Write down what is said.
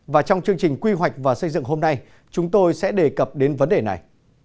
và trong chương trình quy hoạch và xây dựng hôm nay chúng tôi sẽ đề cập đến vấn đề này